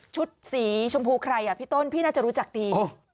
สีชมพูใครอ่ะพี่ต้นพี่น่าจะรู้จักดี